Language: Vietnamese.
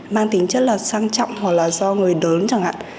mang tính chất là sang trọng hoặc là do người đớn chẳng hạn